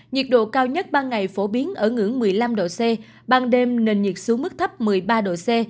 nhiệt độ cao nhất ban ngày phổ biến ở ngưỡng một mươi năm độ c ban đêm nền nhiệt xuống mức thấp một mươi ba độ c